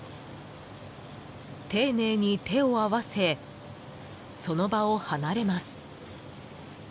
丁寧に手を合わせその場を離れます。